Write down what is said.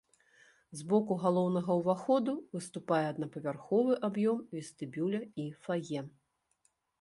З боку галоўнага ўваходу выступае аднапавярховы аб'ём вестыбюля і фае.